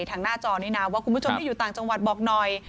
หน้าจอนี้นะว่าคุณผู้ชมที่อยู่ต่างจังหวัดบอกหน่อย